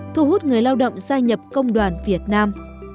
thu hút người lao động gia nhập công đoàn việt nam